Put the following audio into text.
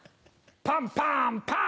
パンパンパン！